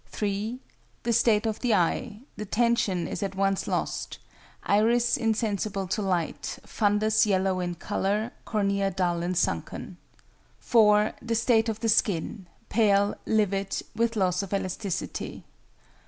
(3) The state of the eye; the tension is at once lost; iris insensible to light, fundus yellow in colour; cornea dull and sunken. (4) The state of the skin; pale, livid, with loss of elasticity.